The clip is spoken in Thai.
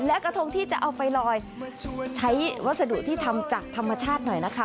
และกระทงที่จะเอาไปลอยใช้วัสดุที่ทำจากธรรมชาติหน่อยนะคะ